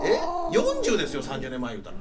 ４０ですよ３０年前ゆうたら。